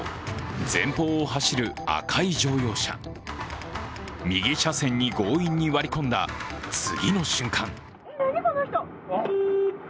前方を走る赤い乗用車、右車線に強引に割り込んだ次の瞬間